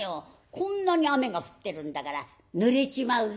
こんなに雨が降ってるんだからぬれちまうぜ」。